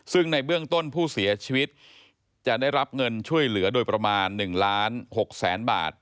ซึ่งในเบื้องต้นผู้เสียชีวิตจะได้รับเงินช่วยเหลือโดยประมาณ๑ล้าน๖แสนบาท